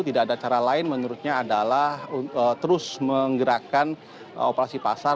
tidak ada cara lain menurutnya adalah terus menggerakkan operasi pasar